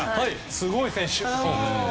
すごい選手。